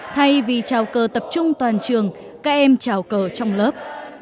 thay vì trào cờ tập trung toàn trường các em trào cờ trong lớp